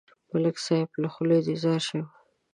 ملک صاحب، له خولې دې ځار شم.